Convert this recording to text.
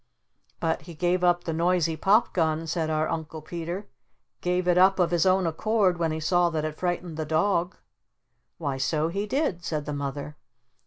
"But he gave up the noisy pop gun," said our Uncle Peter. "Gave it up of his own accord when he saw that it frightened the dog." "Why so he did!" said the Mother.